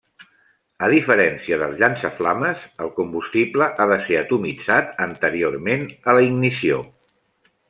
A diferència dels llançaflames, el combustible ha de ser atomitzat anteriorment a la ignició.